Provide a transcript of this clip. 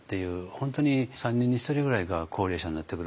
本当に３人に１人ぐらいが高齢者になってくる。